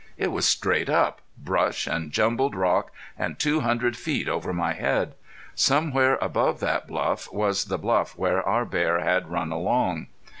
It was straight up, brush and jumbled rock, and two hundred feet over my head. Somewhere above that bluff was the bluff where our bear had run along.